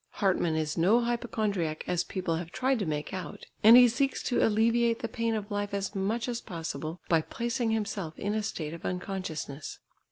Hartmann is no hypochondriac as people have tried to make out, and he seeks to alleviate the pain of life as much as possible by placing himself in a state of unconsciousness.